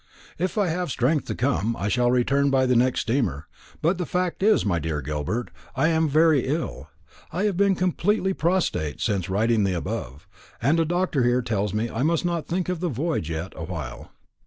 "If I have strength to come, I shall return by the next steamer; but the fact is, my dear Gilbert, I am very ill have been completely prostrate since writing the above and a doctor here tells me I must not think of the voyage yet awhile.